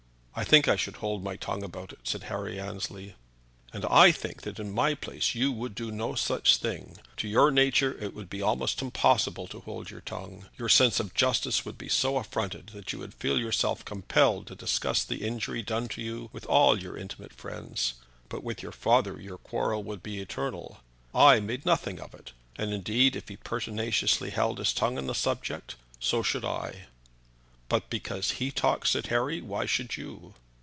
"I think I should hold my tongue about it," said Harry Annesley. "And I think that in my place you would do no such thing. To your nature it would be almost impossible to hold your tongue. Your sense of justice would be so affronted that you would feel yourself compelled to discuss the injury done to you with all your intimate friends. But with your father your quarrel would be eternal. I made nothing of it, and, indeed, if he pertinaciously held his tongue on the subject, so should I." "But because he talks," said Harry, "why should you?"